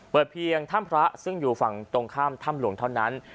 เพียงถ้ำพระซึ่งอยู่ฝั่งตรงข้ามถ้ำหลวงเท่านั้น